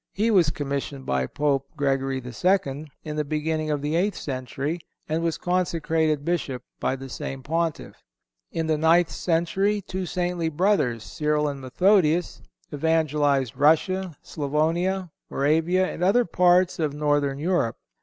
He was commissioned by Pope Gregory II., in the beginning of the eighth century, and was consecrated Bishop by the same Pontiff. In the ninth century two saintly brothers, Cyril and Methodius, evangelized Russia, Sclavonia, Moravia and other parts of Northern Europe.